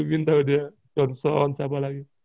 pintu dia johnson siapa lagi